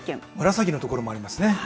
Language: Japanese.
紫のところもありますね。